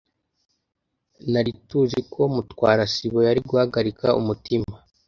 Nari tuziko Mutwara sibo yari guhagarika umutima.